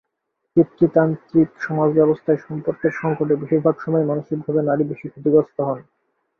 পিতৃতান্ত্রিক সমাজব্যবস্থায় সম্পর্কের সংকটে বেশির ভাগ সময়ই মানসিকভাবে নারী বেশি ক্ষতিগ্রস্ত হন।